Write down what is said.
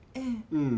うん。